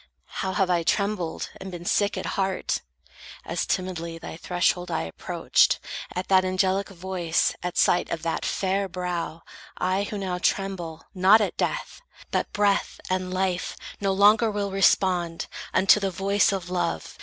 How have I trembled, and been sick at heart, As timidly thy threshold I approached, At that angelic voice, at sight of that Fair brow, I, who now tremble not at death! But breath and life no longer will respond Unto the voice of love.